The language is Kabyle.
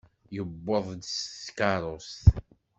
Yewweḍ-d s tkeṛṛust.